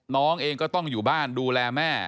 น้องเองก็ต้องอยู่บ้านดูแลแม่